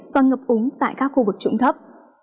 và ngập úng tại các khu vực trụng thấp